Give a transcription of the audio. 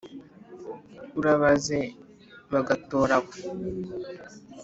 urabaze ba gatora abo.